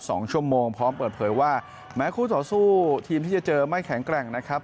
สองชั่วโมงพร้อมเปิดเผยว่าแม้คู่ต่อสู้ทีมที่จะเจอไม่แข็งแกร่งนะครับ